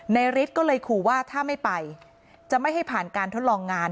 ฤทธิ์ก็เลยขู่ว่าถ้าไม่ไปจะไม่ให้ผ่านการทดลองงาน